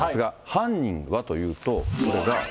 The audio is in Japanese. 犯人はというと、これが。